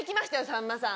さんまさん。